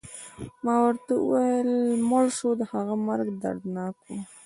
ما ورته وویل: مړ شو، د هغه مرګ دردناک و.